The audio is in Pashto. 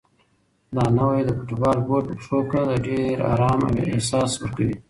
دا نوی د فوټبال بوټ په پښو کې د ډېر ارام احساس ورکوي.